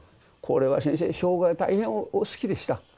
これは先生生涯大変お好きでした。